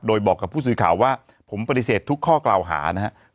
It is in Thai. โดยบอกกับผู้สื่อข่าวว่าผมปฏิเสธทุกข้อกล่าวหานะครับ